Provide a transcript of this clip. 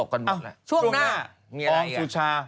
สวัสดีฮะ